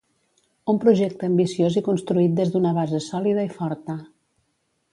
Un projecte ambiciós i construït des d’una base sòlida i forta.